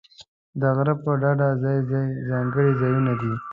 د غره پر ډډه ځای ځای ځانګړي ځایونه دي.